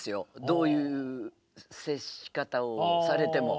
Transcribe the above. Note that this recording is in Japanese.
どういう接し方をされても。